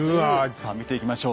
さあ見ていきましょう。